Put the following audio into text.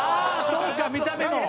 そうか見た目も。